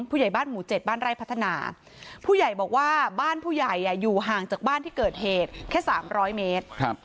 เพราะเราก็จะเอาให้ถึงที่สุด